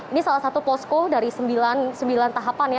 ini salah satu posko dari sembilan tahapan ya